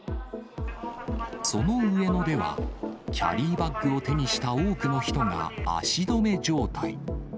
その上野では、キャリーバッグを手にした多くの人が足止め状態。